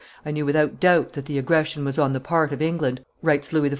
"I knew without doubt that the aggression was on the part of England," writes Louis XIV.